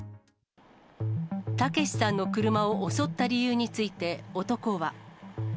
たけしさんの車を襲った理由について、男は。